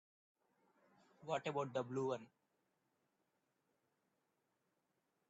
What about the blue one?